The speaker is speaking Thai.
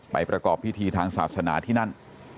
ประกอบพิธีทางศาสนาที่นั่น